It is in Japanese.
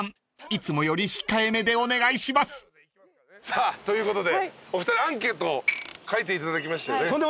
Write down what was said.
いつもより控えめでお願いします］ということでお二人アンケートを書いていただきましたよね？